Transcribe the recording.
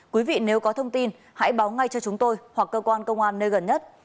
quý vị nếu có thông tin hãy báo ngay cho chúng tôi hoặc cơ quan công an nơi gần nhất